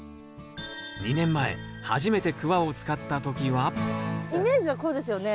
２年前初めてクワを使った時はイメージはこうですよね？